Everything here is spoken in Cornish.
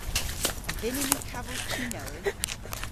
A vynnyn ni kavos chi nowydh?